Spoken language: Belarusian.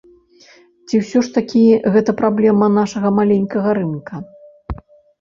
Ці ўсё ж такі гэта праблема нашага маленькага рынка?